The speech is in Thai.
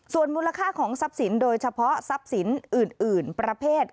ส่วนมูลค่าของทรัพย์สินโดยเฉพาะทรัพย์สินอื่นประเภท